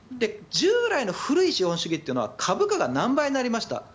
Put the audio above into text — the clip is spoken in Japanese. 従来の古い資本主義というのは株価が何倍になりました